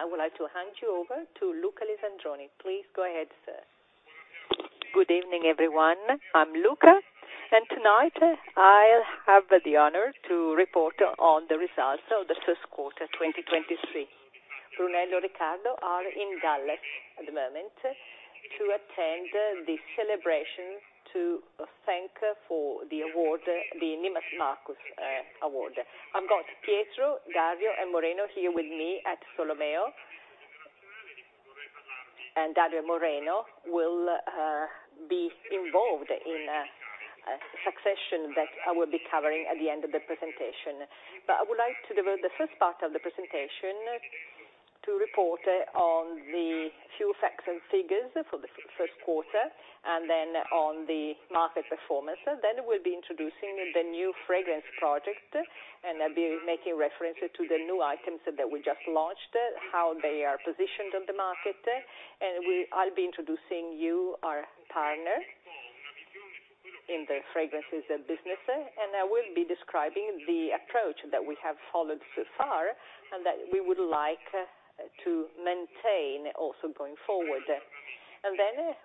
I would like to hand you over to Luca Lisandroni. Please go ahead, sir. Good evening everyone. I'm Luca. Tonight I have the honor to report on the results of the First Quarter 2023. Brunello and Riccardo are in Dallas at the moment to attend the celebration to thank for the award, the Neiman Marcus award. I've got Pietro, Dario, and Moreno here with me at Solomeo. Dario, Moreno will be involved in a succession that I will be covering at the end of the presentation. I would like to devote the first part of the presentation to report on the few facts and figures for the first quarter and then on the market performance. We'll be introducing the new fragrance project, and I'll be making reference to the new items that we just launched how they are positioned on the market. I'll be introducing you our partner in the fragrances business I will be describing the approach that we have followed so far and that we would like to maintain also going forward.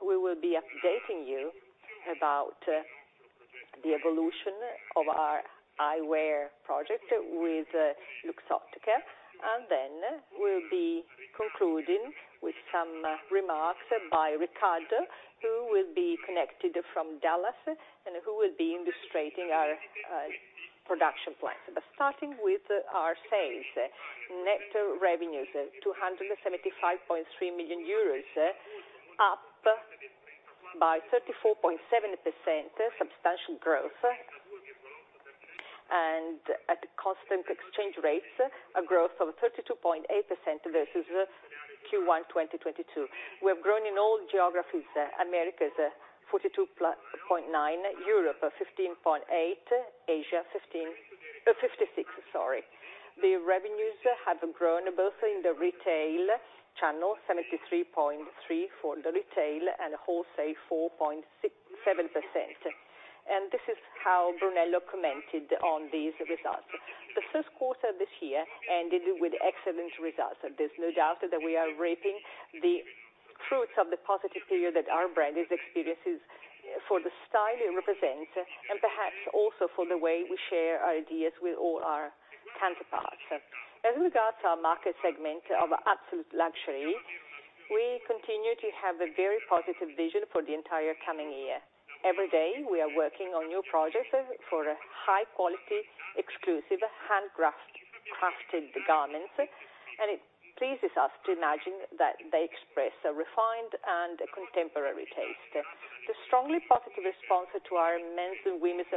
We will be updating you about the evolution of our eyewear project with Luxottica. We'll be concluding with some remarks by Riccardo who will be connected from Dallas and who will be illustrating our production plans. Starting with our sales. Net revenues, 275.3 million euros up by 34.7% substantial growth. At constant exchange rates a growth of 32.8% versus Q1 2022. We have grown in all geographies. Americas, 42.9%. Europe, 15.8%. Asia, 56%, sorry. The revenues have grown both in the retail channel 73.3% for the retail, and wholesale 4.67%. This is how Brunello commented on these results. The first quarter of this year ended with excellent results. There's no doubt that we are reaping the fruits of the positive period that our brand is experiences for the style it represents and perhaps also for the way we share our ideas with all our counterparts. As regards our market segment of absolute luxury, we continue to have a very positive vision for the entire coming year. Every day, we are working on new projects for a high quality, exclusive, handcrafted garments, and it pleases us to imagine that they express a refined and contemporary taste. The strongly positive response to our men's and women's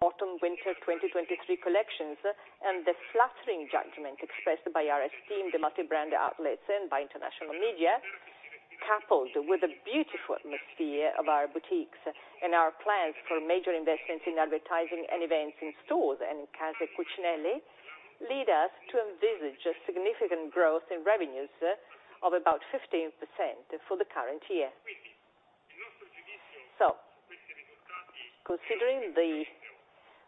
Autumn/Winter 2023 collections and the flattering judgment expressed by our esteemed multi-brand outlets and by international media, coupled with the beautiful atmosphere of our boutiques and our plans for major investments in advertising and events in stores and Casa Cucinelli lead us to envisage a significant growth in revenues of about 15% for the current year. Considering the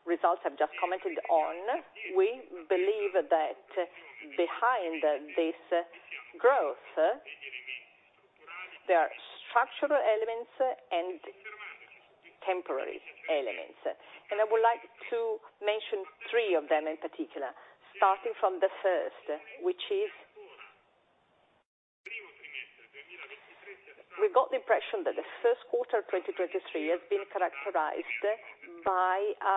results I've just commented on, we believe that behind this growth, there are structural elements and temporary elements. I would like to mention three of them in particular, starting from the first, which is. We've got the impression that the first quarter 2023 has been characterized by a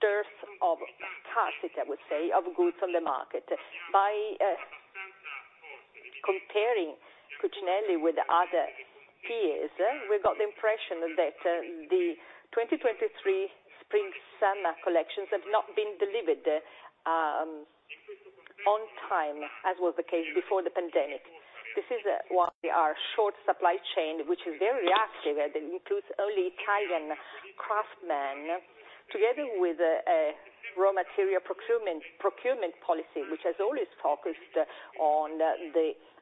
dearth of product, I would say, of goods on the market. By comparing Cucinelli with other peers we've got the impression that the 2023 spring/summer collections have not been delivered on time as was the case before the pandemic. This is why our short supply chain which is very active and includes only Italian craftsmen together with raw material procurement policy, which has always focused on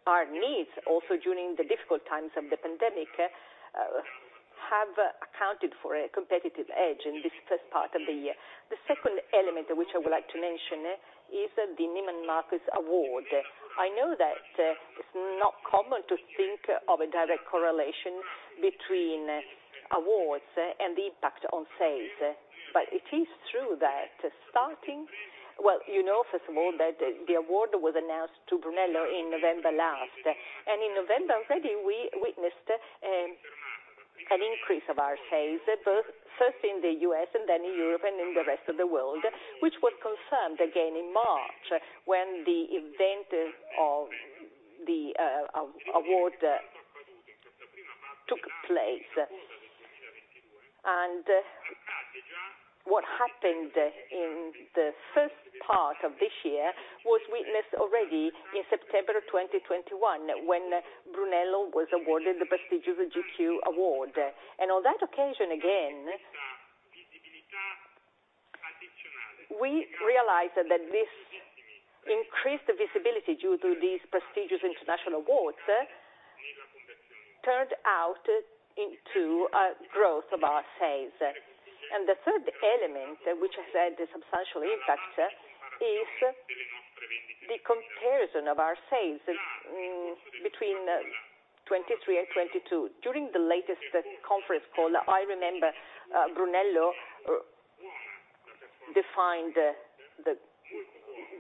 our needs also during the difficult times of the pandemic, have accounted for a competitive edge in this first part of the year. The second element which I would like to mention is the Neiman Marcus Award. I know that it's not common to think of a direct correlation between awards and the impact on sales but it is true that starting. Well, you know, first of all, that the award was announced to Brunello in November last. In November already we witnessed an increase of our sales both first in the U.S. and then in Europe and in the rest of the world which was confirmed again in March when the event of the award took place. What happened in the first part of this year was witnessed already in September of 2021 when Brunello was awarded the prestigious GQ award. On that occasion, again, we realized that this increased visibility due to these prestigious international awards Turned out into a growth of our sales. The third element, which has had a substantial impact, is the comparison of our sales between 2023 and 2022. During the latest conference call, I remember, Brunello defined the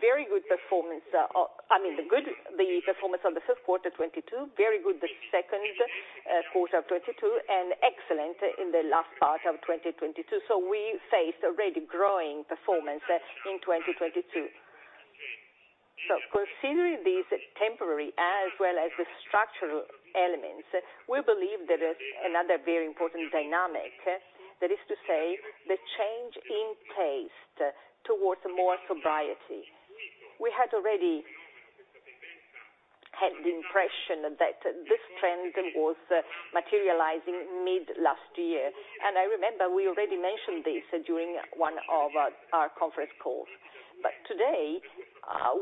very good performance I mean the performance on the first quarter 2022 very good the second quarter of 2022 and excellent in the last part of 2022. We faced already growing performance in 2022. Considering these temporary as well as the structural elements we believe there is another very important dynamic. That is to say the change in taste towards more sobriety. We had already had the impression that this trend was materializing mid last year and I remember we already mentioned this during one of our conference calls. Today,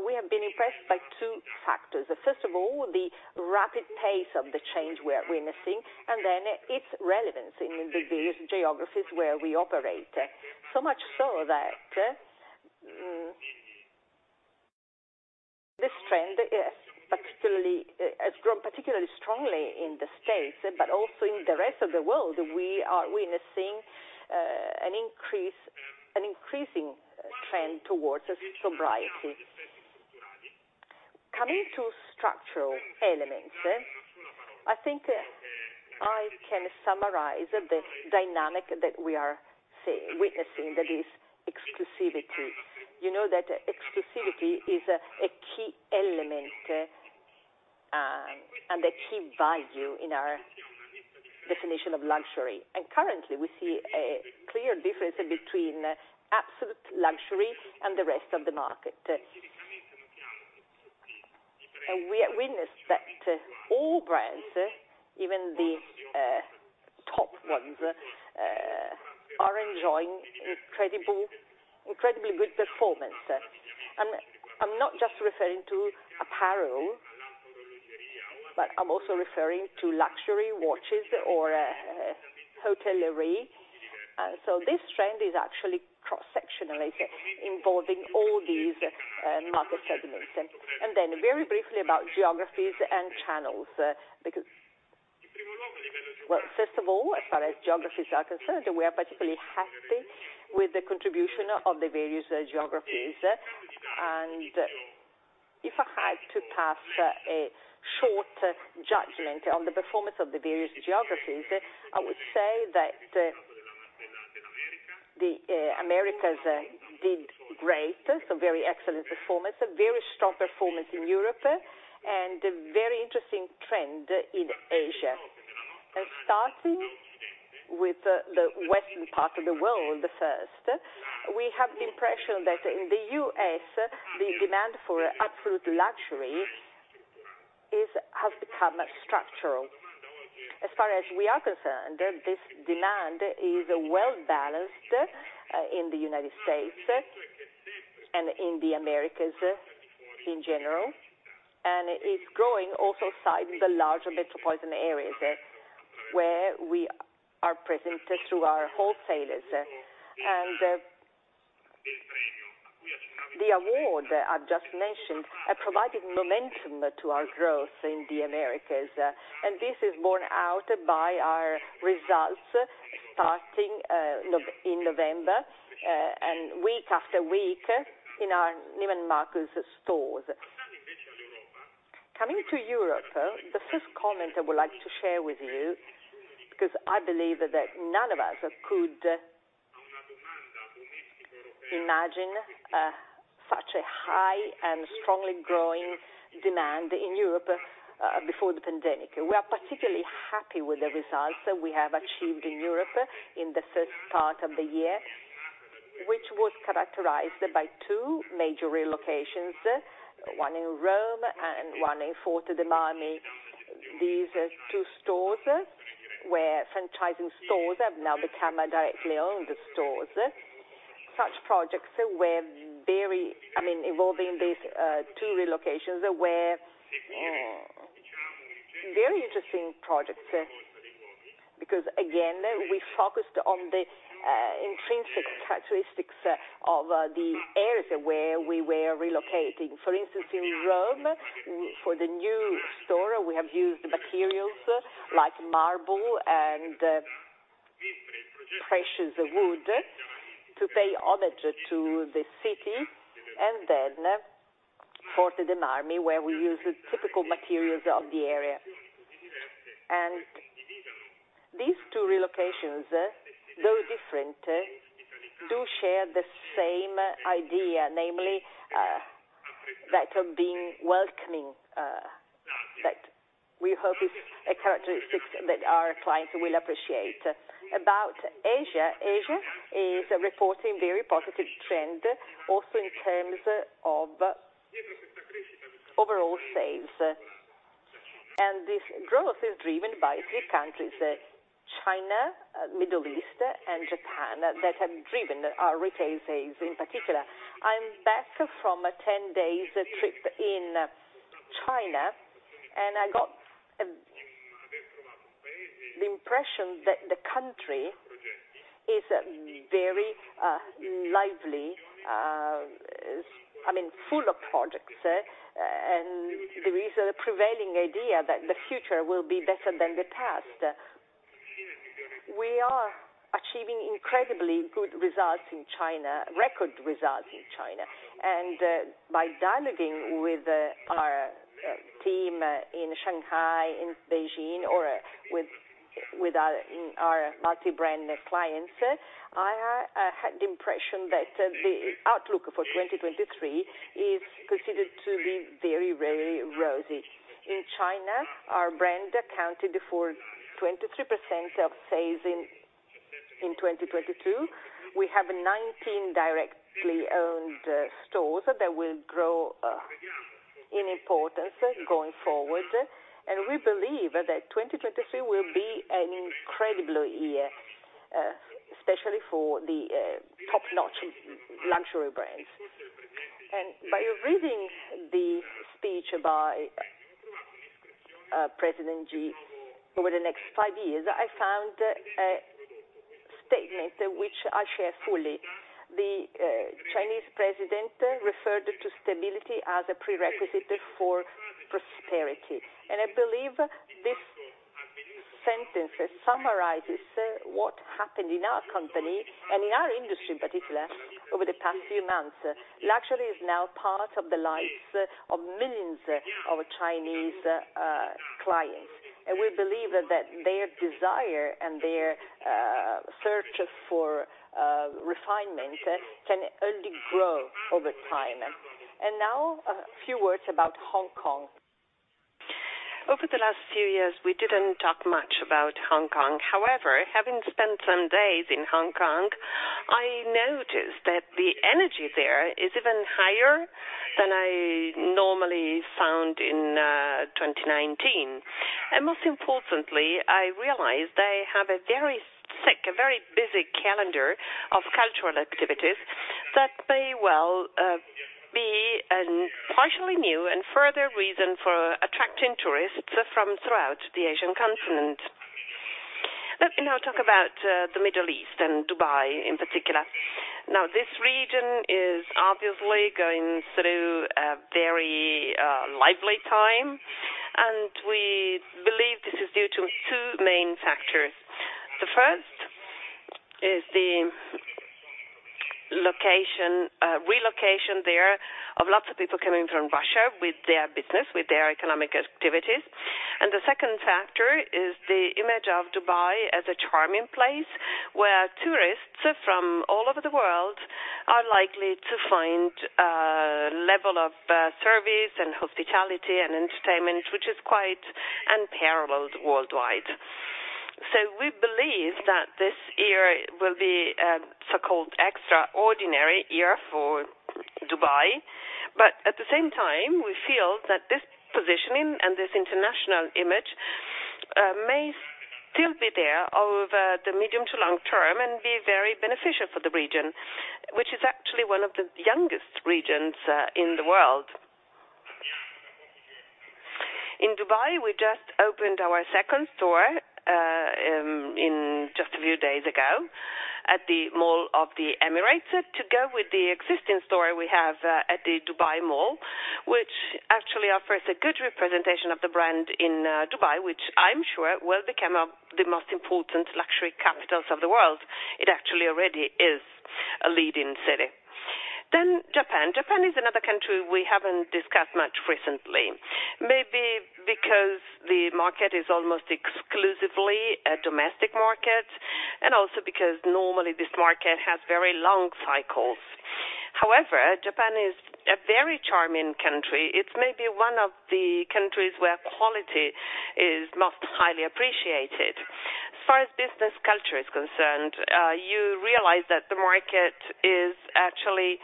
we have been impressed by two factors. First of all, the rapid pace of the change we are witnessing, and then its relevance in the various geographies where we operate. Much so that, this trend has grown particularly strongly in the States but also in the rest of the world we are witnessing an increasing trend towards sobriety. Coming to structural elements, I think I can summarize the dynamic that we are witnessing that is exclusivity. You know that exclusivity is a key element and a key value in our definition of luxury. Currently, we see a clear difference between absolute luxury and the rest of the market. We are witness that all brands even the top ones are enjoying incredibly good performance. I'm not just referring to apparel but I'm also referring to luxury watches or hotellerie. This trend is actually cross-sectional, involving all these, market segments. Then very briefly about geographies and channels. Because well, first of all, as far as geographies are concernedwe are particularly happy with the contribution of the various geographies. If I had to pass a short judgment on the performance of the various geographies, I would say that the Americas did great. Some very excellent performance, a very strong performance in Europe and a very interesting trend in Asia. Starting with the western part of the world first, we have the impression that in the U.S. the demand for absolute luxury has become structural. As far as we are concerned, this demand is well balanced in the United States and in the Americas in general and it is growing also outside the larger metropolitan areas where we are present through our wholesalers. The award I've just mentioned provided momentum to our growth in the Americas and this is borne out by our results starting in November and week after week in our Neiman Marcus stores. Coming to Europe, the first comment I would like to share with you because I believe that none of us could imagine such a high and strongly growing demand in Europe before the pandemic. We are particularly happy with the results that we have achieved in Europe in the first part of the year which was characterized by two major relocations, one in Rome and one in Forte dei Marmi. These are two stores franchising stores have now become directly owned stores. Such projects were I mean, involving these two relocations were very interesting projects because again we focused on the intrinsic characteristics of the areas where we were relocating. For instance in Rome, for the new store, we have used materials like marble and precious wood to pay homage to the city. Then Forte dei Marmi, where we used typical materials of the area. These two relocations though different, do share the same idea, namely, that of being welcoming, that we hope is a characteristic that our clients will appreciate. About Asia is reporting very positive trend also in terms of overall sales. This growth is driven by three countries. China, Middle East, and Japan that have driven our retail sales in particular. I'm back from a 10 days trip in China, I got the impression that the country is very lively. I mean, full of projects, and there is a prevailing idea that the future will be better than the past. We are achieving incredibly good results in China, record results in China, by dialoguing with our team in Shanghai, in Beijing, or with our multi-brand clients I had the impression that the outlook for 2023 is considered to be very, very rosy. In China, our brand accounted for 23% of sales in 2022. We have 19 directly owned stores that will grow in importance going forward. We believe that 2023 will be an incredible year especially for the top-notch luxury brands. By reading the speech by President Xi over the next five years I found a statement which I share fully. The Chinese President referred to stability as a prerequisite for prosperity. I believe this sentence summarizes what happened in our company and in our industry in particular, over the past few months. Luxury is now part of the lives of millions of Chinese clients. We believe that their desire and their search for refinement can only grow over time. Now a few words about Hong Kong. Over the last few years, we didn't talk much about Hong Kong. However, having spent some days in Hong Kong, I noticed that the energy there is even higher than I normally found in 2019. Most importantly, I realized I have a very thick, a very busy calendar of cultural activities that may well be an partially new and further reason for attracting tourists from throughout the Asian continent. Let me now talk about the Middle East and Dubai in particular. This region is obviously going through a very lively time, and we believe this is due to two main factors. The first is the location, relocation there of lots of people coming from Russia with their business, with their economic activities. The second factor is the image of Dubai as a charming place where tourists from all over the world are likely to find a level of service and hospitality and entertainment which is quite unparalleled worldwide. We believe that this year will be a so-called extraordinary year for Dubai. At the same time, we feel that this positioning and this international image may still be there over the medium to long term and be very beneficial for the region which is actually one of the youngest regions in the world. In Dubai, we just opened our second store in just a few days ago at the Mall of the Emirates to go with the existing store we have at the Dubai Mall, which actually offers a good representation of the brand in Dubai, which I'm sure will become the most important luxury capitals of the world. It actually already is a leading city. Japan. Japan is another country we haven't discussed much recently. Maybe because the market is almost exclusively a domestic market and also because normally this market has very long cycles. However, Japan is a very charming country. It's maybe one of the countries where quality is most highly appreciated. As far as business culture is concerned, you realize that the market is actually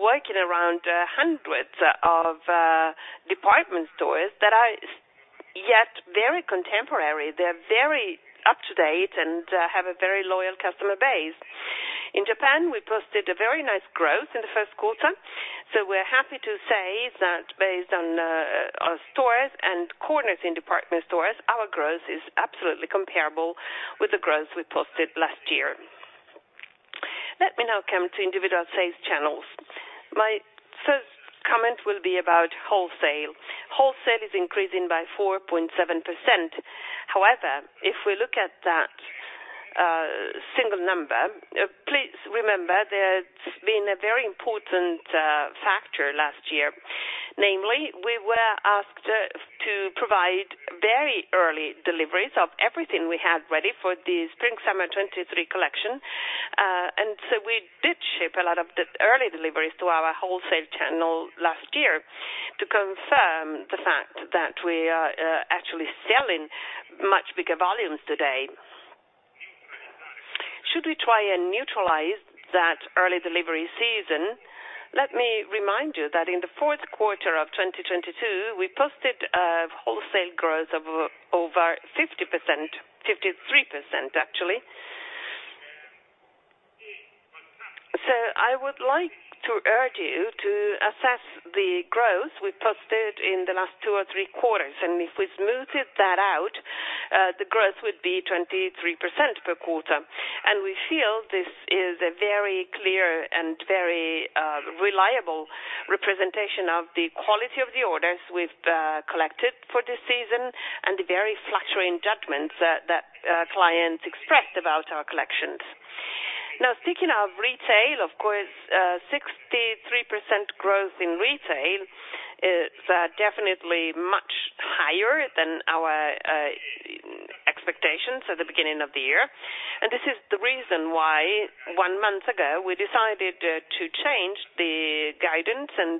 working around hundreds of department stores that are yet very contemporary. They're very up to date and have a very loyal customer base. In Japan, we posted a very nice growth in the first quarter. We're happy to say that based on our stores and corners in department stores, our growth is absolutely comparable with the growth we posted last year. Let me now come to individual sales channels. My first comment will be about wholesale. Wholesale is increasing by 4.7%. However, if we look at that single number, please remember there's been a very important factor last year. Namely, we were asked to provide very early deliveries of everything we had ready for the spring/summer 2023 collection. We did ship a lot of the early deliveries to our wholesale channel last year to confirm the fact that we are actually selling much bigger volumes today. Should we try and neutralize that early delivery season let me remind you that in the fourth quarter of 2022 we posted wholesale growth of over 50%, 53%, actually. I would like to urge you to assess the growth we posted in the last two or three quarters and if we smoothed that out, the growth would be 23% per quarter. We feel this is a very clear and very reliable representation of the quality of the orders we've collected for this season and the very fluctuating judgments that clients expressed about our collections. Now, speaking of retail, of course, 63% growth in retail is definitely much higher than our expectations at the beginning of the year. This is the reason why one month ago, we decided to change the guidance and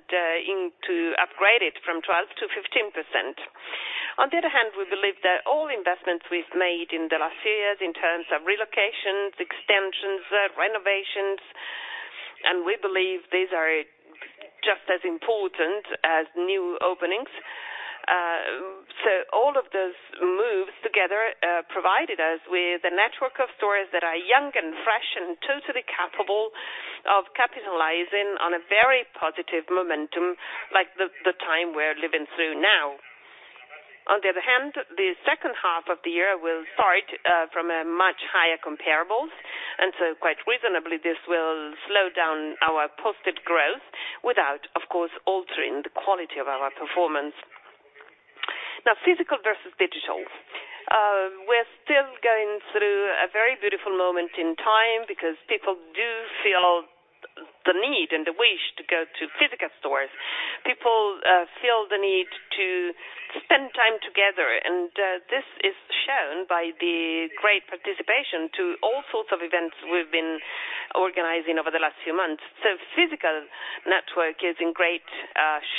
to upgrade it from 12%-15%. On the other hand, we believe that all investments we've made in the last few years in terms of relocations, extensions, renovations, and we believe these are just as important as new openings. All of those moves together, provided us with a network of stores that are young and fresh and totally capable of capitalizing on a very positive momentum like the time we're living through now. On the other hand, the H2 of the year will start from a much higher comparables and so quite reasonably this will slow down our posted growth without, of course, altering the quality of our performance. Now, physical versus digital. We're still going through a very beautiful moment in time because people do feel the need and the wish to go to physical stores. People feel the need to spend time together and this is shown by the great participation to all sorts of events we've been organizing over the last few months. Physical network is in great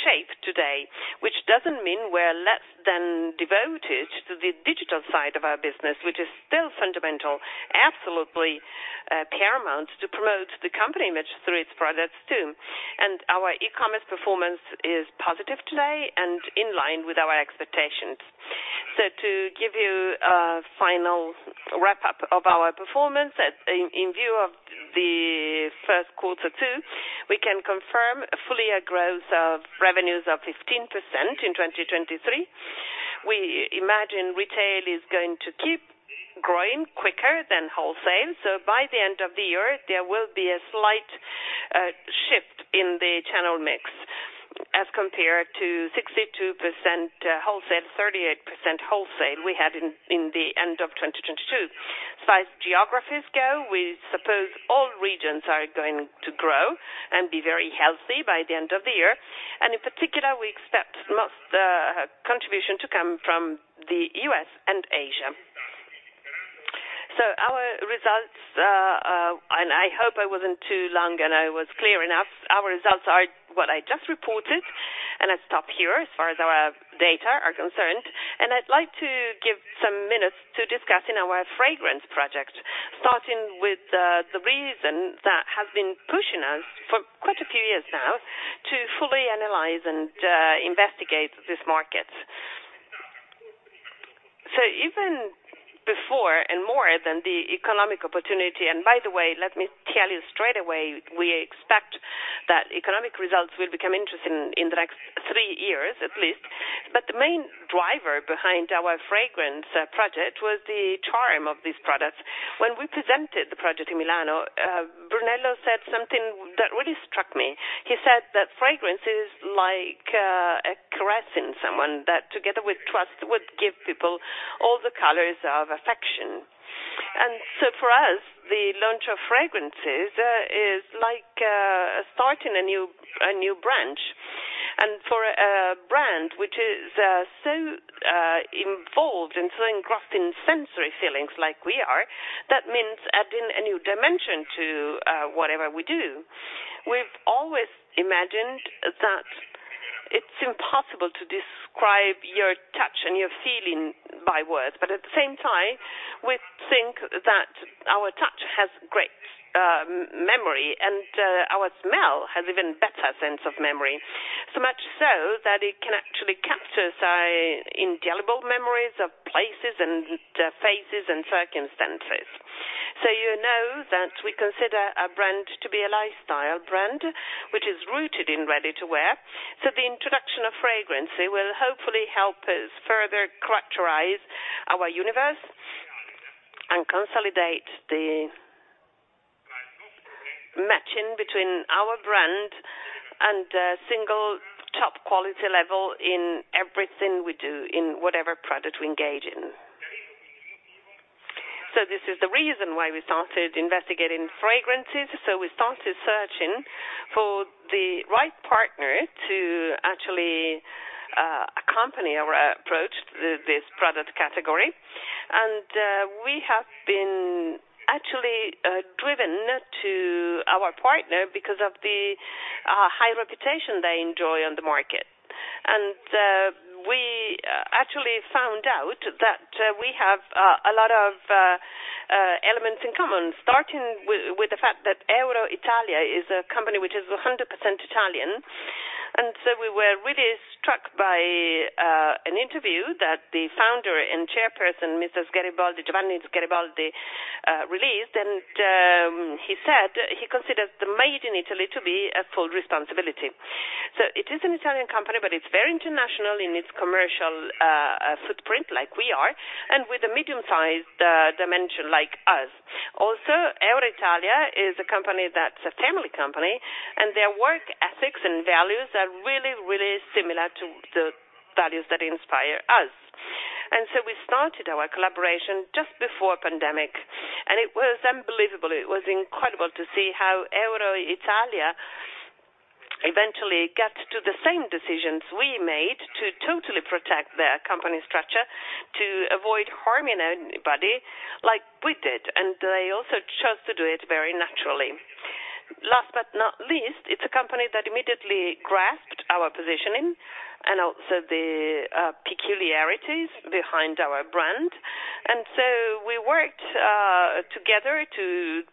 shape today, which doesn't mean we're less than devoted to the digital side of our business which is still fundamental absolutely paramount to promote the company image through its products too. Our e-commerce performance is positive today and in line with our expectations. To give you a final wrap-up of our performance in view of the first quarter too, we can confirm fully a growth of revenues of 15% in 2023. We imagine retail is going to keep growing quicker than wholesale, by the end of the year, there will be a slight shift in the channel mix as compared to 62% wholesale, 38% wholesale we had in the end of 2022. As geographies go, we suppose all regions are going to grow and be very healthy by the end of the year. In particular, we expect most contribution to come from the U.S. and Asia. Our results, and I hope I wasn't too long, and I was clear enough. Our results are what I just reported. I stop here as far as our data are concerned. I'd like to give some minutes to discussing our fragrance project, starting with the reasons that have been pushing us for quite a few years now to fully analyze and investigate this market. Even before and more than the economic opportunity, and by the way, let me tell you straight away, we expect that economic results will become interesting in the next 3 years at least. The main driver behind our fragrance project was the charm of these products. When we presented the project in Milano, Brunello said something that really struck me. He said that fragrance is like caressing someone that together with trust, would give people all the colors of affection. For us, the launch of fragrances is like starting a new branch. For a brand which is so involved and so engrossed in sensory feelings like we are, that means adding a new dimension to whatever we do. We've always imagined that it's impossible to describe your touch and your feeling by word but at the same time, we think that our touch has great memory and our smell has even better sense of memory. Much so that it can actually capture so indelible memories of places and faces and circumstances. You know that we consider our brand to be a lifestyle brand, which is rooted in ready-to-wear. The introduction of fragrance will hopefully help us further characterize our universe and consolidate the matching between our brand and a single top quality level in everything we do in whatever product we engage in. This is the reason why we started investigating fragrances. We started searching for the right partner to actually accompany our approach to this product category. We have been actually driven to our partner because of the high reputation they enjoy on the market. We actually found out that we have a lot of elements in common, starting with the fact that EuroItalia is a company which is 100% Italian. We were really struck by an interview that the founder and chairperson, Mrs. Sgariboldi, Giovanni Sgariboldi, released. He said he considers the made in Italy to be a full responsibility. It is an Italian company, but it's very international in its commercial footprint like we are and with a medium-sized dimension like us. Also EuroItalia is a company that's a family company and their work ethics and values are really similar to the values that inspire us. We started our collaboration just before pandemic and it was unbelievable. It was incredible to see how EuroItalia eventually get to the same decisions we made to totally protect their company structure, to avoid harming anybody like we did. They also chose to do it very naturally. Last but not least, it's a company that immediately grasped our positioning and also the peculiarities behind our brand. We worked together to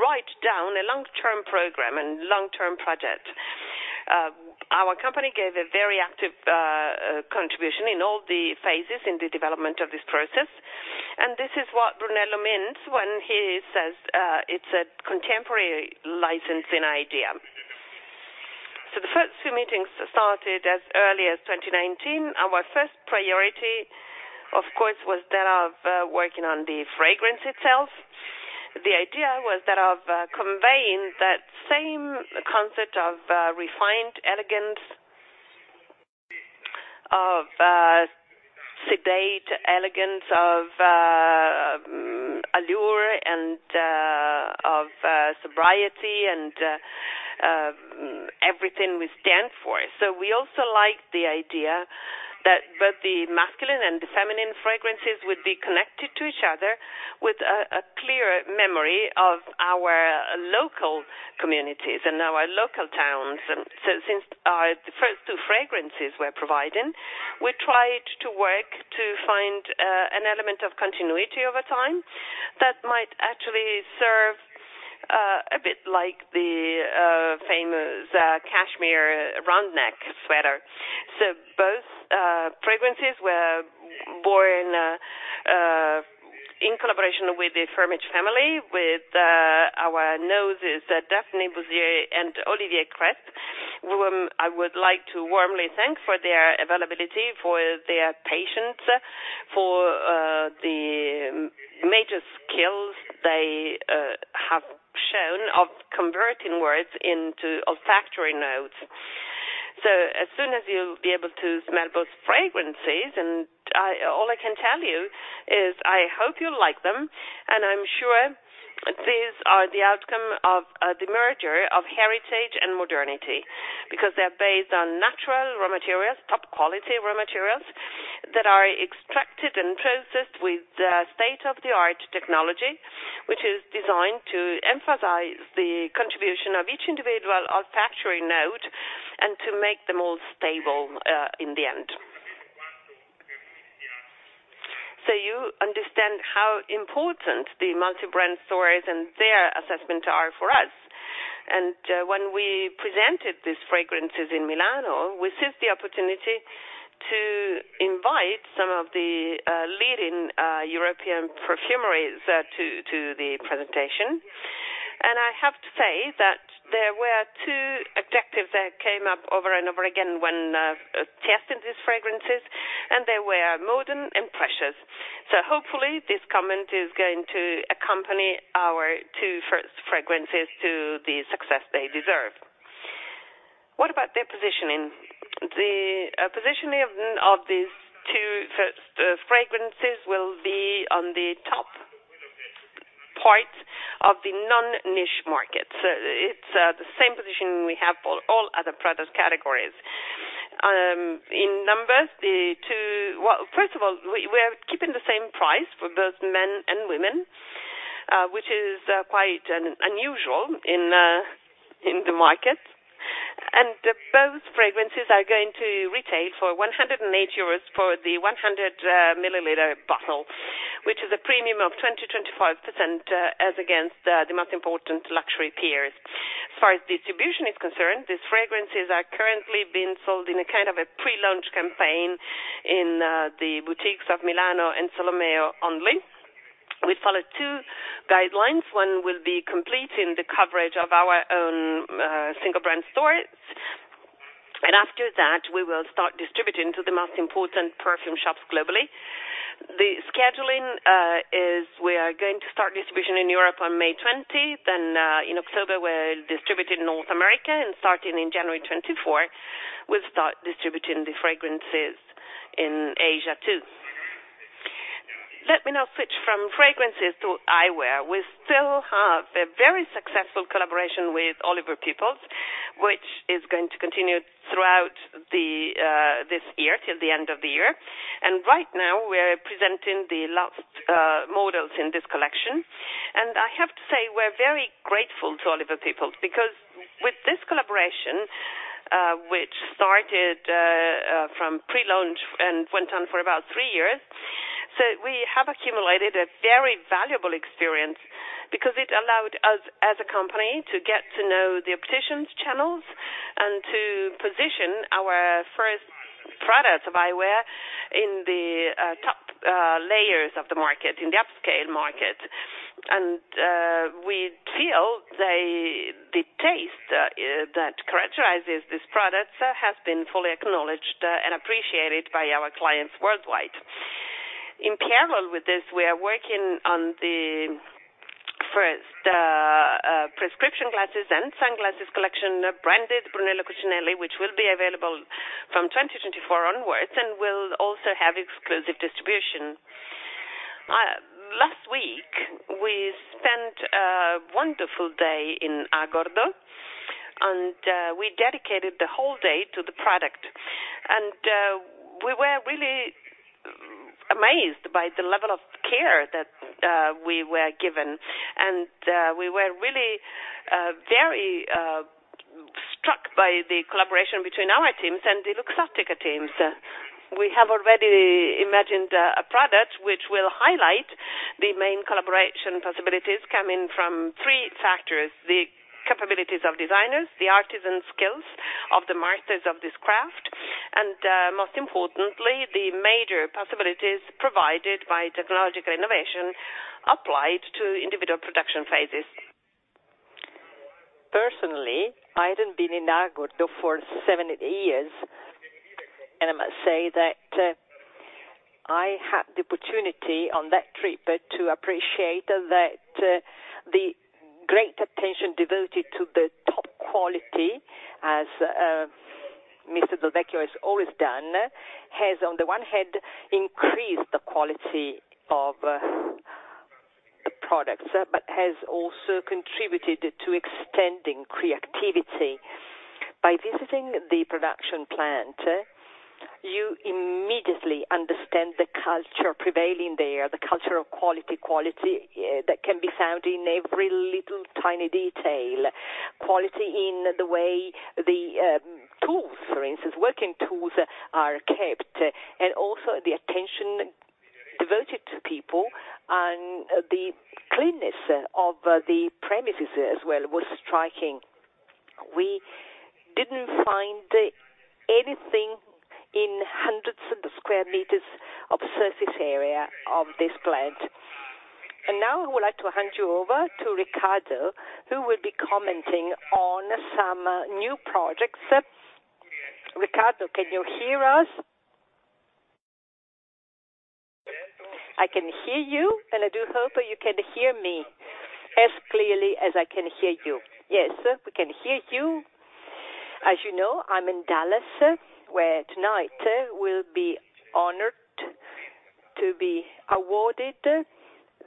write down a long-term program and long-term project. Our company gave a very active contribution in all the phases in the development of this process. This is what Brunello means when he says, it's a contemporary licensing idea. The first two meetings started as early as 2019. Our first priority, of course, was that of working on the fragrance itself. The idea was that of conveying that same concept of refined elegance, of sedate elegance, of allure and of sobriety and everything we stand for. We also like the idea that both the masculine and the feminine fragrances would be connected to each other with a clear memory of our local communities and our local towns. Since the first two fragrances we're providing, we tried to work to find an element of continuity over time that might actually serve a bit like the famous cashmere round neck sweater. Both fragrances were born in collaboration with the Firmenich, with our noses, Daphné Bugey and Olivier Cresp, whom I would like to warmly thank for their availability, for their patience, for the major skills they have shown of converting words into olfactory notes. As soon as you'll be able to smell both fragrances, and all I can tell you is I hope you'll like them. I'm sure these are the outcome of the merger of heritage and modernity, because they're based on natural raw materials, top quality raw materials that are extracted and processed with state-of-the-art technology, which is designed to emphasize the contribution of each individual olfactory note and to make them all stable in the end. You understand how important the multi-brand stores and their assessment are for us. When we presented these fragrances in Milano, we seized the opportunity to invite some of the leading European perfumeries to the presentation. I have to say that there were two objectives that came up over and over again when testing these fragrances, and they were modern and precious. Hopefully this comment is going to accompany our two first fragrances to the success they deserve. What about their positioning? The positioning of these two first fragrances will be on the top part of the non-niche market. It's the same positioning we have for all other product categories. In numbers, we're keeping the same price for both men and women, which is quite unusual in the market. Both fragrances are going to retail for 108 euros for the 100 milliliter bottle which is a premium of 20%-25% as against the most important luxury peers. As far as distribution is concerned, these fragrances are currently being sold in a kind of a pre-launch campaign in the boutiques of Milano and Solomeo only. We followed two guidelines. One will be completing the coverage of our own single brand stores. After that, we will start distributing to the most important perfume shops globally. The scheduling is we are going to start distribution in Europe on May 20th. In October, we'll distribute in North America. Starting in January 2024, we'll start distributing the fragrances in Asia too. Let me now switch from fragrances to eyewear. We still have a very successful collaboration with Oliver Peoples, which is going to continue throughout this year till the end of the year. Right now we're presenting the last models in this collection. I have to say we're very grateful to Oliver Peoples because with this collaboration which started from pre-launch and went on for about three years. We have accumulated a very valuable experience because it allowed us as a company to get to know the opticians channels and to position our first products of eyewear in the top layers of the market in the upscale market. We feel they, the taste that characterizes these products has been fully acknowledged and appreciated by our clients worldwide. In parallel with this, we are working on the first prescription glasses and sunglasses collection branded Brunello Cucinelli which will be available from 2024 onwards and will also have exclusive distribution. Last week, we spent a wonderful day in Agordo, we dedicated the whole day to the product. We were really amazed by the level of care that we were given. We were really very struck by the collaboration between our teams and the Luxottica teams. We have already imagined a product which will highlight the main collaboration possibilities coming from three factors, the capabilities of designers, the artisan skills of the masters of this craft, and most importantly, the major possibilities provided by technological innovation applied to individual production phases. Personally, I hadn't been in Agordo for seven years, and I must say that I had the opportunity on that trip to appreciate that the great attention devoted to the top quality, as Mr. Del Vecchio has always done has on the one hand increased the quality of the products but has also contributed to extending creativity. By visiting the production plant, you immediately understand the culture prevailing there, the culture of quality that can be found in every little tiny detail. Quality in the way the tools, for instance, working tools are kept, and also the attention devoted to people and the cleanness of the premises as well was striking. We didn't find anything in hundreds of the square meters of surface area of this plant. Now I would like to hand you over to Riccardo, who will be commenting on some new projects. Riccardo, can you hear us? I can hear you, and I do hope you can hear me as clearly as I can hear you. Yes, we can hear you. As you know, I'm in Dallas, where tonight we'll be honored to be awarded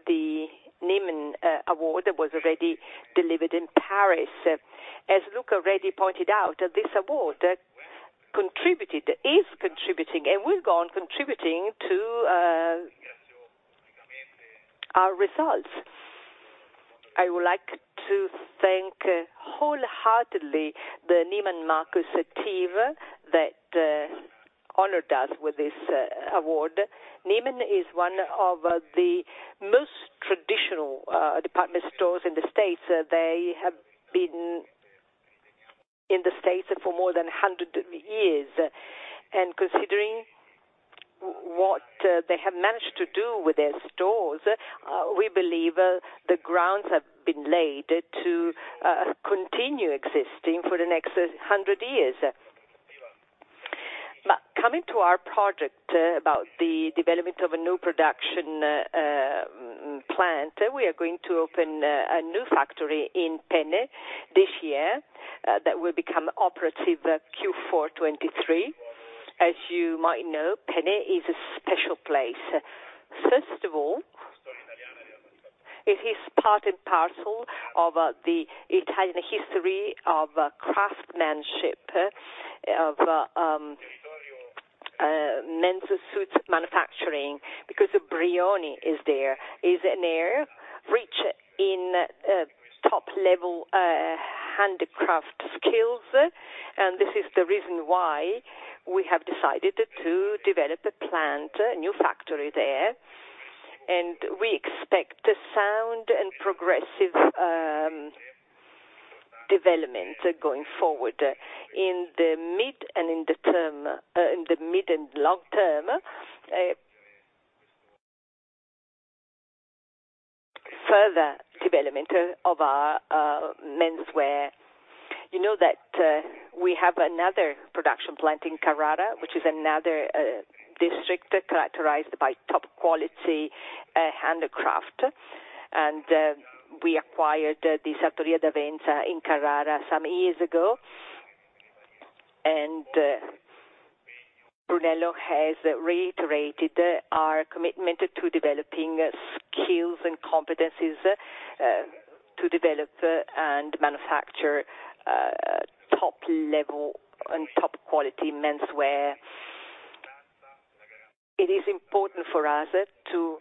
the Neiman Award that was already delivered in Paris. As Luca already pointed out, this award contributed is contributing, and will go on contributing to our results. I would like to thank wholeheartedly the Neiman Marcus team that honored us with this award. Neiman is one of the most traditional department stores in the States. They have been in the States for more than 100 years. Considering what they have managed to do with their stores we believe the grounds have been laid to continue existing for the next 100 years. Coming to our project about the development of a new production plant we are going to open a new factory in Penne this year that will become operative Q4 2023. As you might know, Penne is a special place. First of all, it is part and parcel of the Italian history of craftsmanship of men's suits manufacturing because Brioni is there. It's an area rich in top-level handicraft skills and this is the reason why we have decided to develop a plant a new factory there. We expect a sound and progressive development going forward in the mid and long term further development of our menswear. You know that we have another production plant in Carrara, which is another district characterized by top-quality handicraft. We acquired the Sartoria D'Avenza in Carrara some years ago, Brunello has reiterated our commitment to developing skills and competencies to develop and manufacture top-level and top-quality menswear. It is important for us to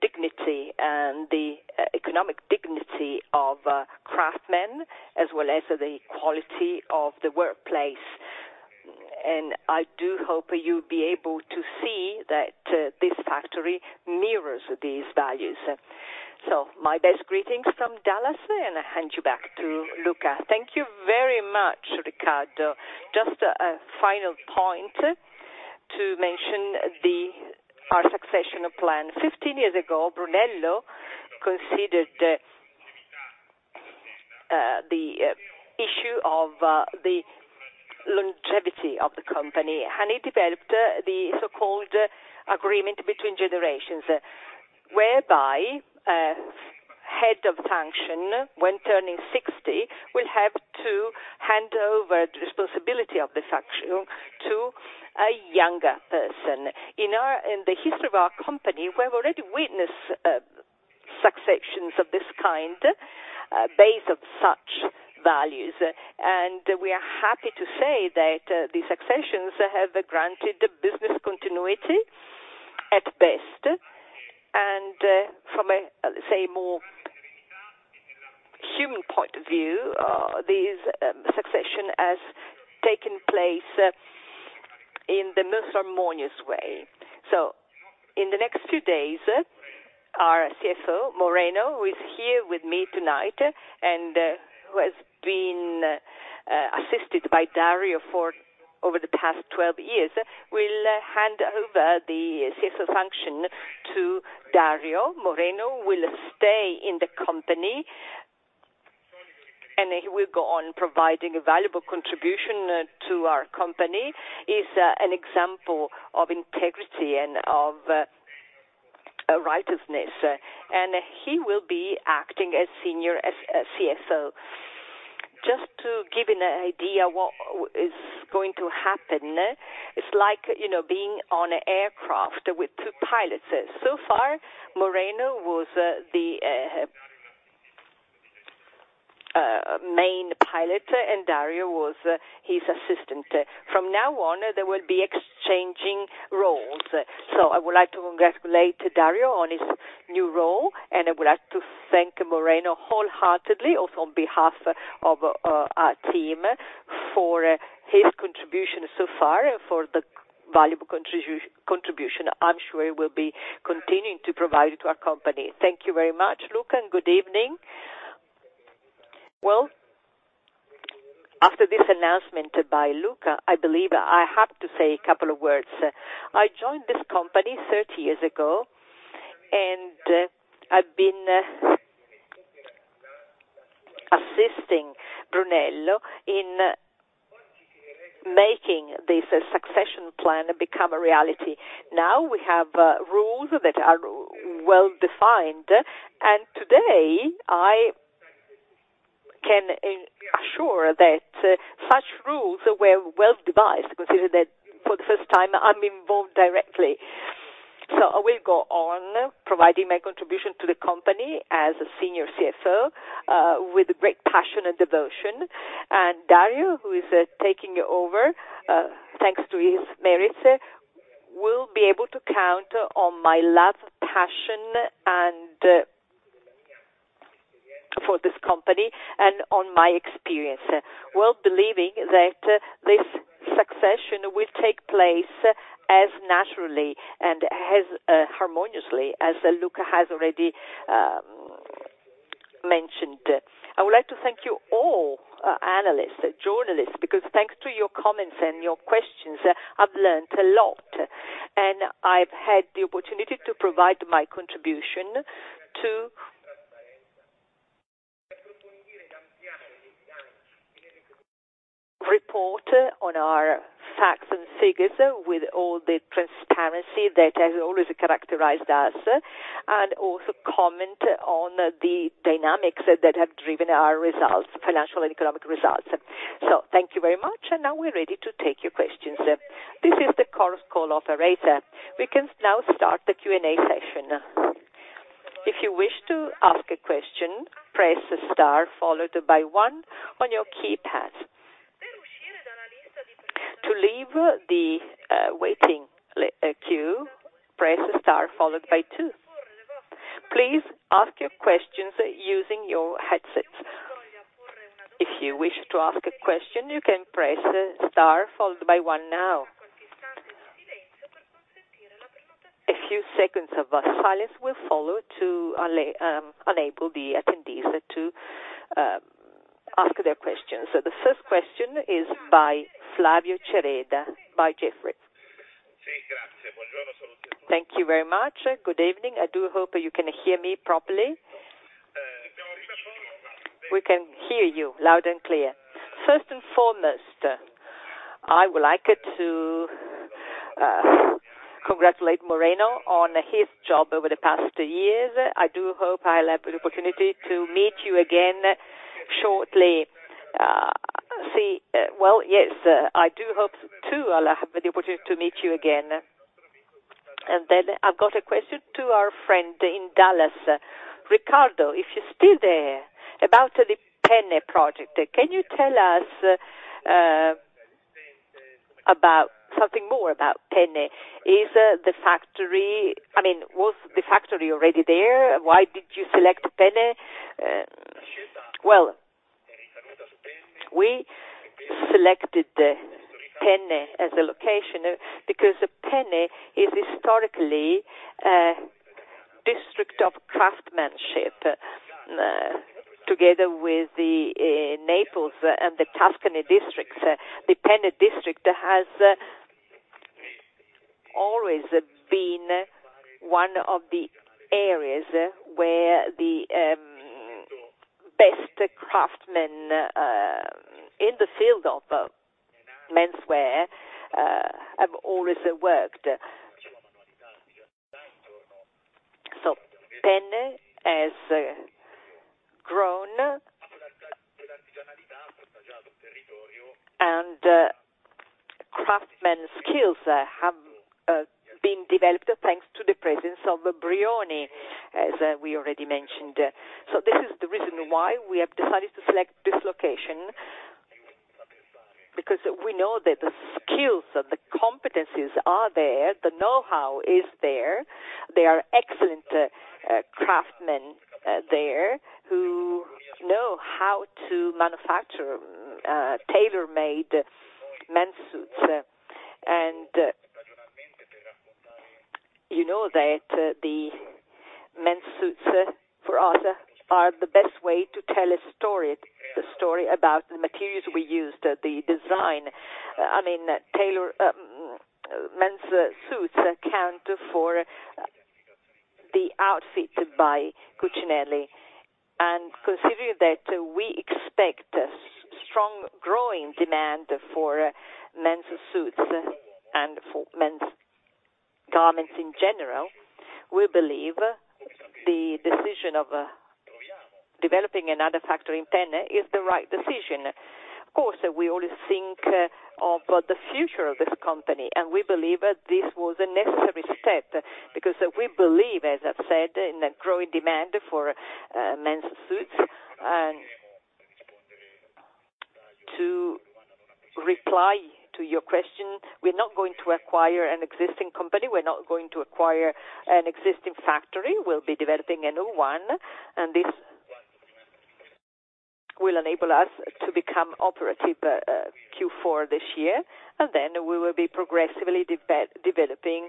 Dignity and the economic dignity of craftsmen as well as the quality of the workplace. I do hope you'll be able to see that this factory mirrors these values. My best greetings from Dallas, and I hand you back to Luca. Thank you very much, Riccardo. Just a final point to mention our succession plan. 15 years ago, Brunello considered the issue of the longevity of the company, and he developed the so-called agreement between generations, whereby a head of function when turning 60 will have to hand over the responsibility of the function to a younger person. In the history of our company, we have already witnessed successions of this kind, base of such values. We are happy to say that the successions have granted business continuity at best. From a, let's say, more human point of view, this succession has taken place in the most harmonious way. In the next two days, our CFO, Moreno, who is here with me tonight and who has been assisted by Dario for over the past 12 years, will hand over the CFO function to Dario. Moreno will stay in the company, and he will go on providing valuable contribution to our company. He's an example of integrity and of righteousness, and he will be acting as senior as CFO. Just to give you an idea what is going to happen, it's like, you know, being on aircraft with two pilots. Far, Moreno was the main pilot, and Dario was his assistant. From now on, they will be exchanging roles. I would like to congratulate Dario on his new role, and I would like to thank Moreno wholeheartedly, also on behalf of our team for his contribution so far, for the valuable contribution I'm sure he will be continuing to provide to our company. Thank you very much, Luca, and good evening. Well, after this announcement by Luca, I believe I have to say a couple of words. I joined this company 30 years ago, and I've been assisting Brunello in making this succession plan become a reality. Now we have rules that are well defined. Today, I can assure that such rules were well devised, considering that for the first time, I'm involved directly. I will go on providing my contribution to the company as senior CFO, with great passion and devotion. Dario, who is taking over, thanks to his merits, will be able to count on my love, passion for this company and on my experience, well believing that this succession will take place as naturally and as harmoniously as Luca has already mentioned. I would like to thank you all, analysts, journalists, because thanks to your comments and your questions, I've learned a lot, and I've had the opportunity to provide my contribution to. Report on our facts and figures with all the transparency that has always characterized us, also comment on the dynamics that have driven our results, financial and economic results. Thank you very much. Now we're ready to take your questions. This is the conference call operator. We can now start the Q&A session. If you wish to ask a question, press star followed by one on your keypad. To leave the waiting queue, press star followed by two. Please ask your questions using your headsets. If you wish to ask a question, you can press star followed by one now. A few seconds of silence will follow to enable the attendees to ask their questions. The first question is by Flavio Cereda, by Jefferies. Thank you very much. Good evening. I do hope you can hear me properly. We can hear you loud and clear. First and foremost, I would like to congratulate Moreno on his job over the past years. I do hope I'll have an opportunity to meet you again shortly. See, well, yes, I do hope, too, I'll have the opportunity to meet you again. Then I've got a question to our friend in Dallas. Riccardo, if you're still there, about the Penne project, can you tell us? About something more about Penne. Is, I mean, was the factory already there? Why did you select Penne? We selected Penne as a location because Penne is historically a district of craftsmanship together with the Naples and the Tuscany districts. The Penne district has always been one of the areas where the best craftsmen in the field of menswear have always worked. Penne has grown, and craftsmen skills have been developed thanks to the presence of Brioni as we already mentioned. This is the reason why we have decided to select this location because we know that the skills, the competencies are there, the know-how is there. There are excellent craftsmen there who know how to manufacture tailor-made men's suits. And you know that the men's suits for us are the best way to tell a story, the story about the materials we used, the design. I mean, men's suits account for the outfit by Cucinelli. Considering that we expect strong growing demand for men's suits and for men's garments in general, we believe the decision of developing another factory in Penne is the right decision. Of course, we always think of the future of this company, we believe that this was a necessary step. We believe, as I've said, in a growing demand for men's suits. To reply to your question, we're not going to acquire an existing company. We're not going to acquire an existing factory. We'll be developing a new one this will enable us to become operative Q4 this year we will be progressively developing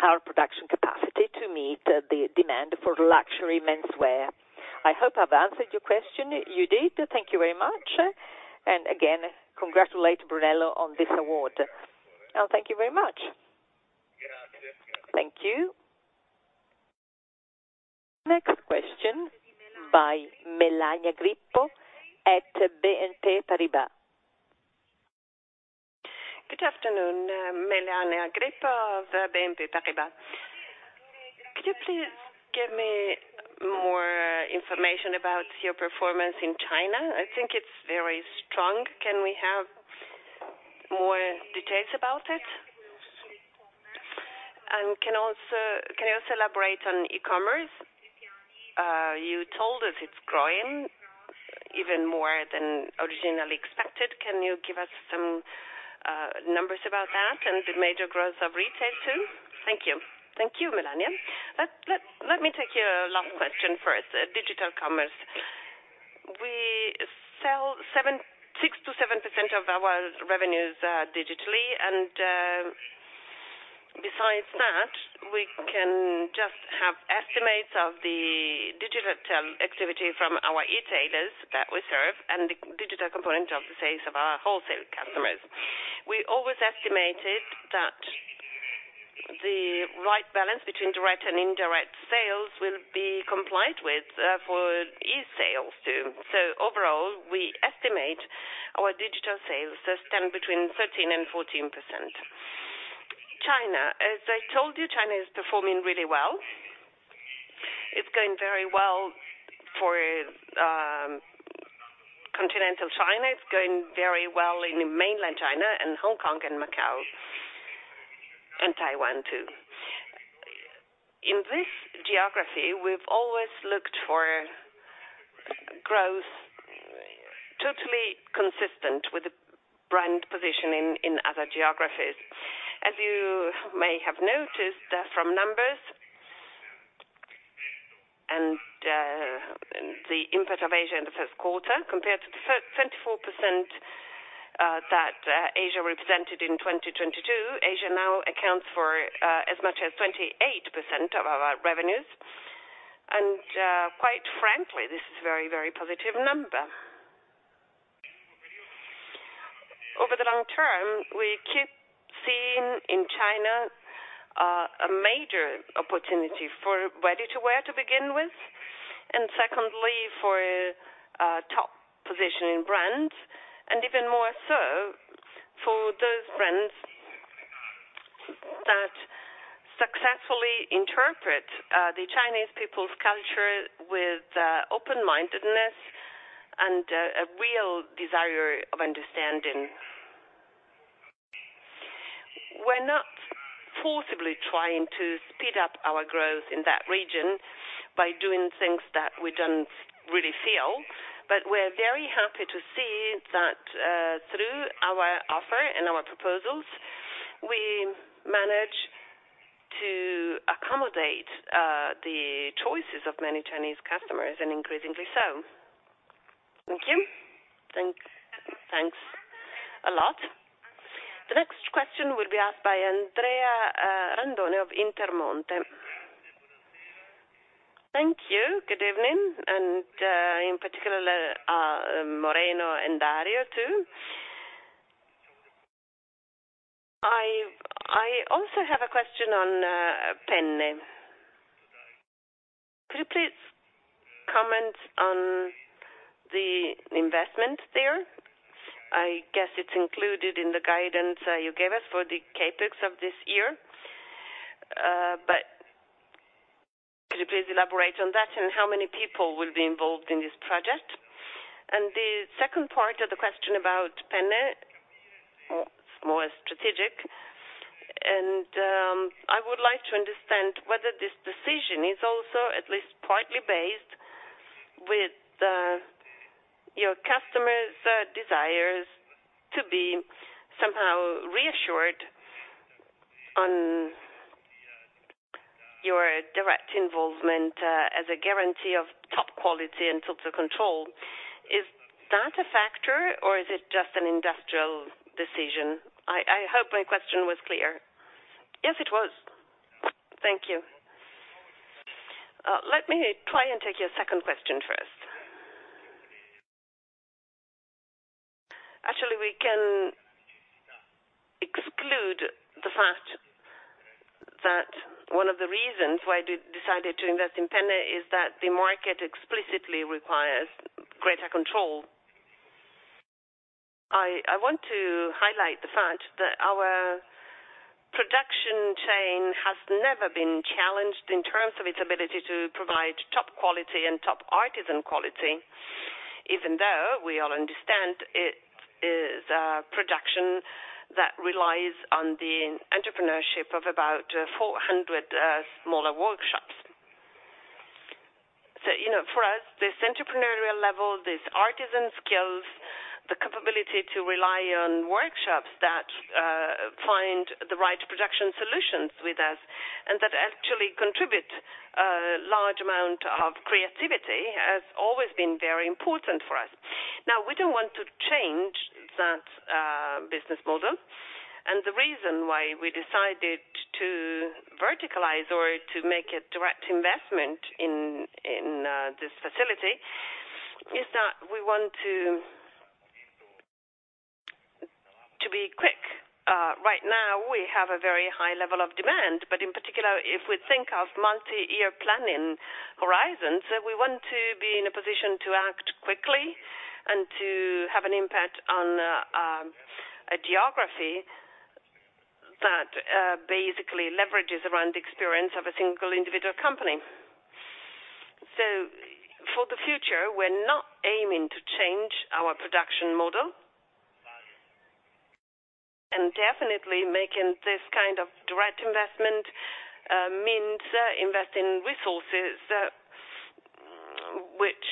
Our production capacity to meet the demand for luxury menswear. I hope I've answered your question. You did. Thank you very much. Again, congratulate Brunello on this award. Oh, thank you very much. Thank you. Next question by Melania Grippo at BNP Paribas. Good afternoon. Melania Grippo of BNP Paribas. Could you please give me more information about your performance in China? I think it's very strong. Can we have more details about it? Can you also elaborate on e-commerce? You told us it's growing even more than originally expected. Can you give us some numbers about that and the major growth of retail too? Thank you. Thank you, Melania. Let me take your last question first, digital commerce. We sell 6%-7% of our revenues digitally. Besides that, we can just have estimates of the digital activity from our e-tailers that we serve and the digital component of the sales of our wholesale customers. We always estimated that the right balance between direct and indirect sales will be complied with for e-sales, too. Overall, we estimate our digital sales to stand between 13%-14%. China, as I told you, China is performing really well. It's going very well for continental China. It's going very well in Mainland China and Hong Kong and Macau and Taiwan, too. In this geography, we've always looked for growth totally consistent with the brand positioning in other geographies. As you may have noticed from numbers and the impact of Asia in the first quarter compared to the 24% that Asia represented in 2022, Asia now accounts for as much as 28% of our revenues. Quite frankly, this is a very, very positive number. Over the long term, we keep seeing in China, a major opportunity for ready-to-wear to begin with, and secondly, for a top positioning brand, and even more so for those brands that successfully interpret, the Chinese people's culture with, open-mindedness and, a real desire of understanding. We're not forcibly trying to speed up our growth in that region by doing things that we don't really feel. We're very happy to see that, through our offer and our proposals we manage to accommodate the choices of many Chinese customers and increasingly so. Thank you. Thanks. Thanks a lot. The next question will be asked by Andrea Randone of Intermonte. Thank you. Good evening. In particular, Moreno and Dario too. I also have a question on Penne. Could you please comment on the investment there? I guess it's included in the guidance you gave us for the CapEx of this year. Could you please elaborate on that and how many people will be involved in this project? The second part of the question about Penne, it's more strategic, and I would like to understand whether this decision is also at least partly based with your customers' desires to be somehow reassured on your direct involvement as a guarantee of top quality and total control. Is that a factor or is it just an industrial decision? I hope my question was clear. Yes, it was. Thank you. Let me try and take your second question first. Actually, we can exclude the fact that one of the reasons why we decided to invest in Penne is that the market explicitly requires greater control. I want to highlight the fact that our production chain has never been challenged in terms of its ability to provide top quality and top artisan quality even though we all understand it is a production that relies on the entrepreneurship of about 400 smaller workshops. You know, for us, this entrepreneurial level these artisan skills the capability to rely on workshops that find the right production solutions with us and that actually contribute a large amount of creativity, has always been very important for us. We don't want to change that business model. The reason why we decided to verticalize or to make a direct investment in this facility is that we want to be quick. Right now we have a very high level of demand but in particular if we think of multi-year planning horizons, we want to be in a position to act quickly and to have an impact on a geography that basically leverages around the experience of a single individual company. For the future, we're not aiming to change our production model. Definitely making this kind of direct investment means investing in resources which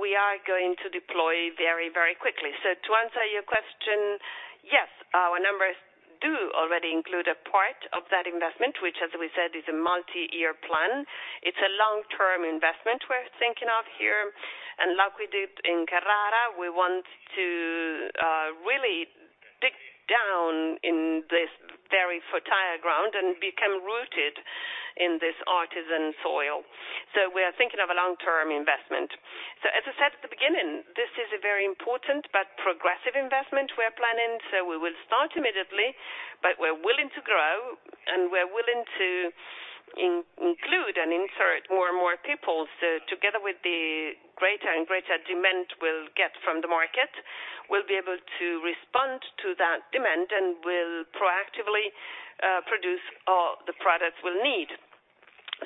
we are going to deploy very, very quickly. To answer your question, yes, our numbers do already include a part of that investment, which, as we said, is a multi-year plan. It's a long-term investment we're thinking of here. Like we did in Carrara, we want to really dig down in this very fertile ground and become rooted in this artisan soil. We are thinking of a long-term investment. As I said at the beginning, this is a very important but progressive investment we are planning. We will start immediately, but we're willing to grow, and we're willing to include and insert more and more people. Together with the greater and greater demand we'll get from the market we'll be able to respond to that demand and we'll proactively produce all the products we'll need.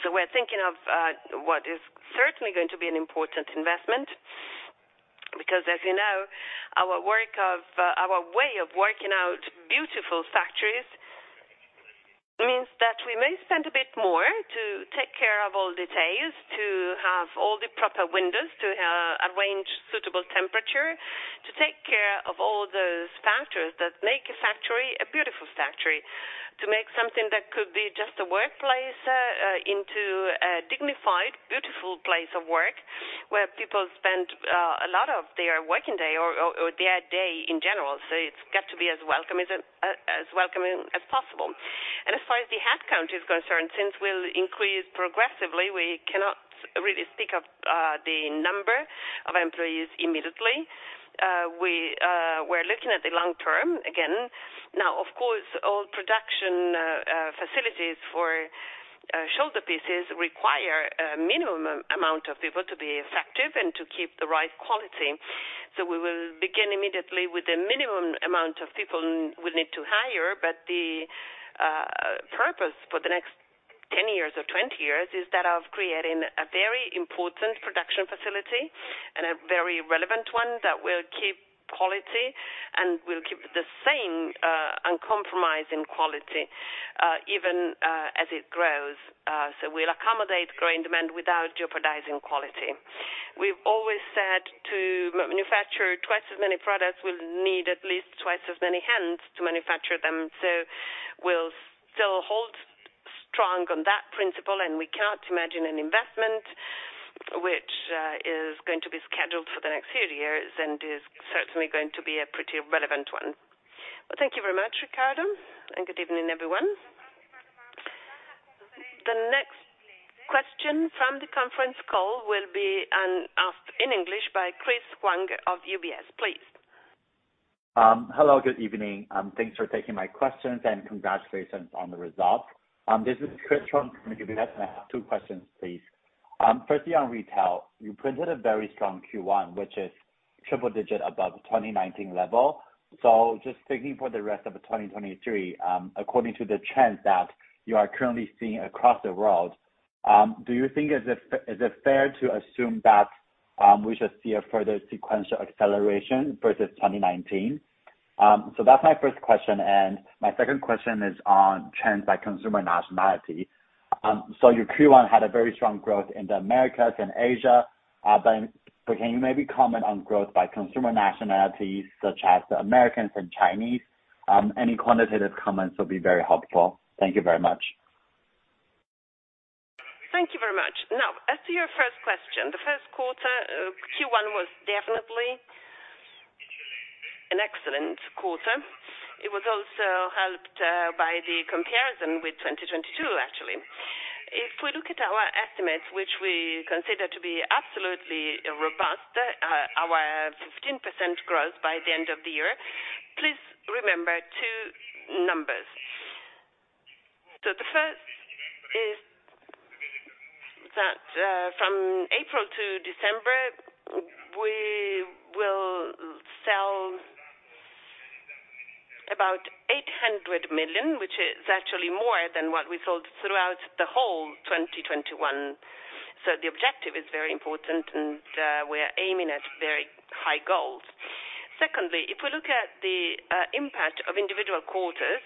We're thinking of what is certainly going to be an important investment because, as you know, our way of working out beautiful factories means that we may spend a bit more to take care of all details, to have all the proper windows to arrange suitable temperature to take care of all those factors that make a factory a beautiful factory to make something that could be just a workplace into a dignified beautiful place of work where people spend a lot of their working day or their day in general. It's got to be as welcome as welcoming as possible. As far as the headcount is concerned, since we'll increase progressively we cannot really speak of the number of employees immediately. We're looking at the long term again. Of course, all production facilities for shoulder pieces require a minimum amount of people to be effective and to keep the right quality. We will begin immediately with the minimum amount of people we'll need to hire. The purpose for the next 10 years or 20 years is that of creating a very important production facility and a very relevant one that will keep quality and will keep the same uncompromising quality even as it grows. We'll accommodate growing demand without jeopardizing quality. We've always said to manufacture twice as many products we'll need at least twice as many hands to manufacture them. We'll still hold strong on that principle and we cannot imagine an investment which is going to be scheduled for the next few years and is certainly going to be a pretty relevant one. Well, thank you very much, Ricardo and good evening, everyone. The next question from the conference call will be asked in English by Chris Huang of UBS, please. Hello, good evening. Thanks for taking my questions and congratulations on the results. This is Chris Huang from UBS and I have two questions, please. Firstly, on retail, you printed a very strong Q1, which is triple digit above the 2019 level. Just thinking for the rest of the 2023 according to the trends that you are currently seeing across the world, do you think is it fair to assume that we should see a further sequential acceleration versus 2019? That's my first question, and my second question is on trends by consumer nationality. Your Q1 had a very strong growth in the Americas and Asia, but can you maybe comment on growth by consumer nationalities such as the Americans and Chinese? Any quantitative comments would be very helpful. Thank you very much. Thank you very much. As to your first question, the first quarter, Q1 was definitely an excellent quarter. It was also helped by the comparison with 2022actually. If we look at our estimates, which we consider to be absolutely robust, our 15% growth by the end of the year, please remember two numbers. The first is that, from April to December we will sell about 800 millionwhich is actually more than what we sold throughout the whole 2021. The objective is very important, and we're aiming at very high goals. Secondly, if we look at the impact of individual quarters,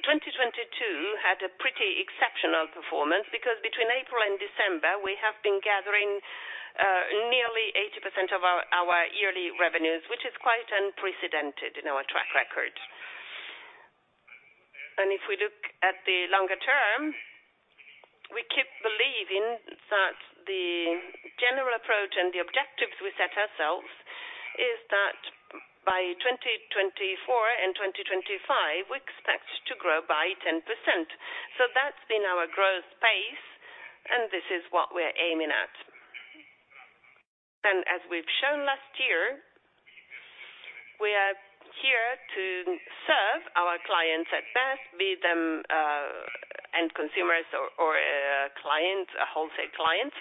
2022 had a pretty exceptional performance because between April and December we have been gathering nearly 80% of our yearly revenues which is quite unprecedented in our track record. If we look at the longer term, we keep believing that the general approach and the objectives we set ourselves is that by 2024 and 2025 we expect to grow by 10%. That's been our growth pace, and this is what we're aiming at. As we've shown last year, we are here to serve our clients at best be them end consumers or clients, wholesale clients.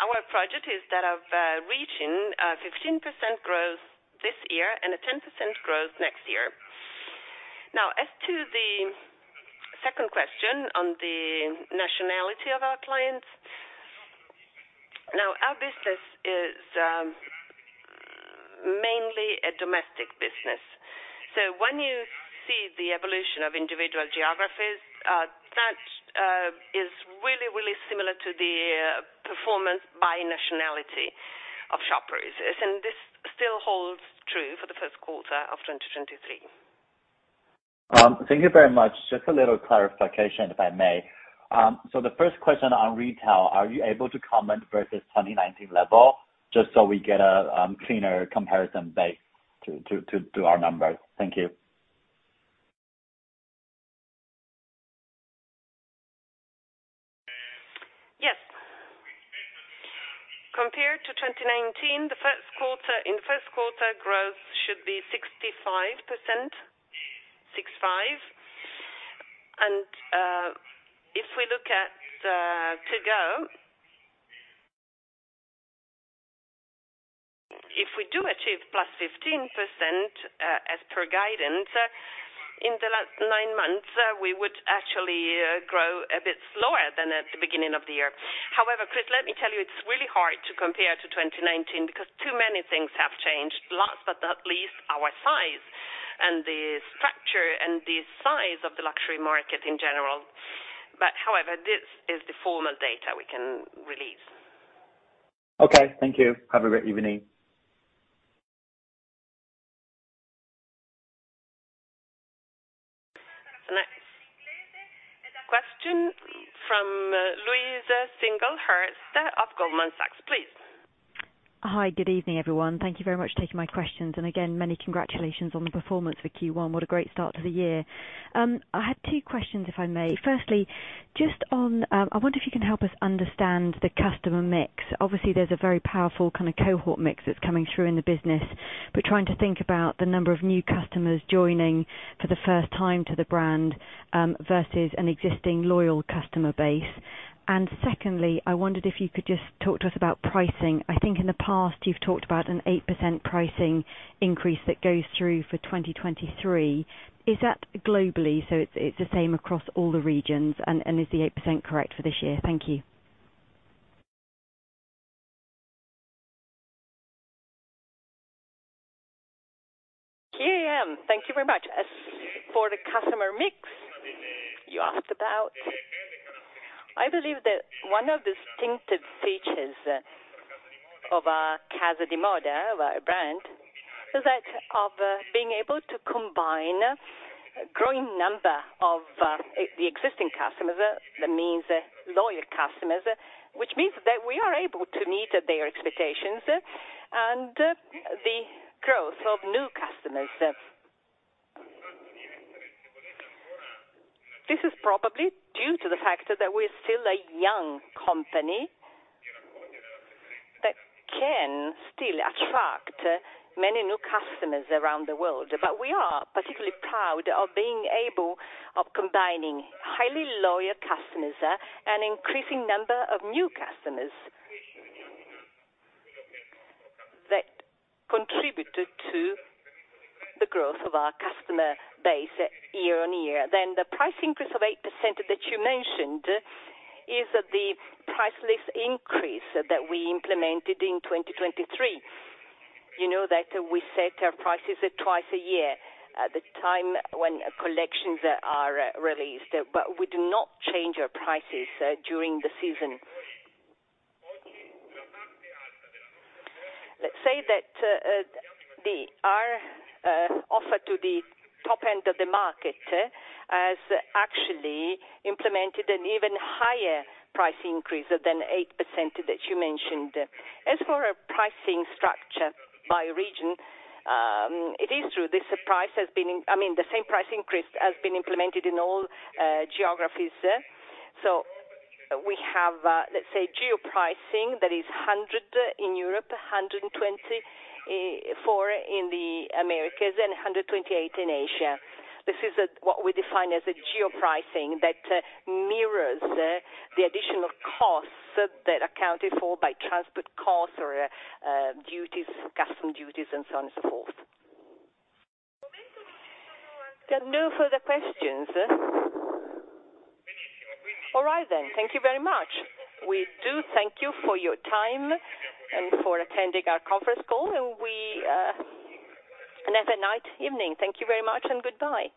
Our project is that of reaching 15% growth this year and a 10% growth next year. As to the second question on the nationality of our clients, now our business is mainly a domestic business. When you see the evolution of individual geographies, that is really similar to the performance by nationality of shoppers. This still holds true for the first quarter of 2023. Thank you very much. Just a little clarification, if I may. The first question on retail, are you able to comment versus 2019 level just so we get a cleaner comparison base to our numbers? Thank you. Yes. Compared to 2019, the first quarter, in first quarter growth should be 65%, 65. If we look at, if we do achieve +15% as per guidance in the last nine months we would actually grow a bit slower than at the beginning of the year. However, Chris, let me tell you, it's really hard to compare to 2019 because too many things have changed. Last but not least, our size and the structure and the size of the luxury market in general. However, this is the formal data we can release. Okay. Thank you. Have a great evening. The next question from Louise Singlehurst of Goldman Sachs, please. Hi good evening everyone. Thank you very much for taking my questions. Again, many congratulations on the performance for Q1. What a great start to the year. I had two questions, if I may. Firstly, just on, I wonder if you can help us understand the customer mix. Obviously, there's a very powerful kind of cohort mix that's coming through in the business. We're trying to think about the number of new customers joining for the first time to the brand versus an existing loyal customer base. Secondly, I wondered if you could just talk to us about pricing. I think in the past you've talked about an 8% pricing increase that goes through for 2023. Is that globally? So it's the same across all the regions and is the 8% correct for this year? Thank you. Here I am. Thank you very much. As for the customer mix you asked about, I believe that one of distinctive features of Casa di Moda, our brand is that of being able to combine a growing number of the existing customers. That means loyal customers which means that we are able to meet their expectations, and the growth of new customers. This is probably due to the fact that we're still a young company that can still attract many new customers around the world. We are particularly proud of being able of combining highly loyal customers, an increasing number of new customers that contributed to the growth of our customer base year-on-year. The price increase of 8% that you mentioned is the price list increase that we implemented in 2023. You know that we set our prices twice a year at the time when collections are released. We do not change our prices during the season. Let's say that our offer to the top end of the market has actually implemented an even higher price increase than 8% that you mentioned. As for our pricing structure by region, it is true I mean, the same price increase has been implemented in all geographies. We have, let's say geo pricing that is 100 in Europe, 124 in the Americas, and 128 in Asia. This is what we define as a geo pricing that mirrors the additional costs that are accounted for by transport costs or duties, custom duties and so on and so forth. \There are no further questions? All right. Thank you very much. We do thank you for your time and for attending our conference call. Have a night, evening. Thank you very much and goodbye.